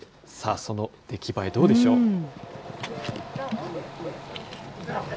さあ、その出来栄え、どうでしょう。